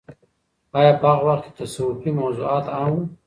آیا په هغه وخت کې تصوفي موضوعات عام وو؟